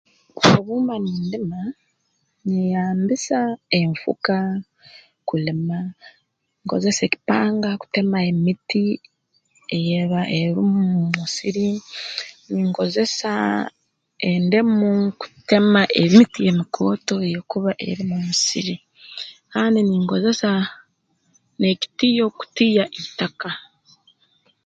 Ha mpero ya wiiki nkira kugenda omu kyaro okukora emirimo endi etali y'okusomesa kandi nkora emirimo nka okulima kuroleerra ente kurolerra empunu hanyuma n'ebindi ebiri omu kyaro